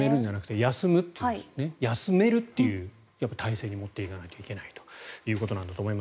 やっぱり休めるという体制に持っていかないといけないというところなんだと思います。